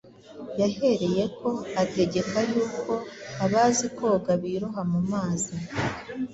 Yahereyeko “ategeka yuko abazi koga biroha mu mazi,